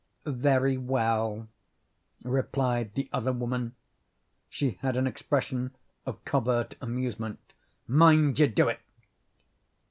"Very well," replied the other woman. She had an expression of covert amusement. "Mind you do it."